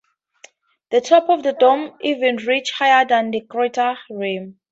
The top of the dome even reaches higher than the crater rim.